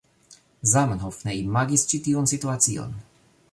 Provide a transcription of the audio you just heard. Zamenhof ne imagis ĉi tiun situacion